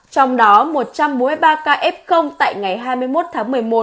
trong đó một trăm bốn mươi ba ca f tại ngày hai mươi một tháng một mươi một